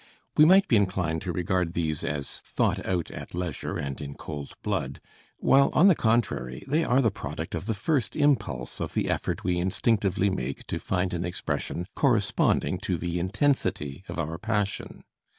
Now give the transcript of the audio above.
We might be inclined to regard these as thought out at leisure and in cold blood, while on the contrary they are the product of the first impulse of the effort we instinctively make to find an expression corresponding to the intensity of our passion.